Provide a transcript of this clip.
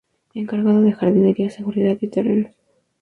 Encargado de jardinería, seguridad y terrenos.